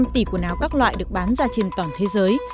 khoảng một trăm linh tỷ quần áo các loại được bán ra trên toàn thế giới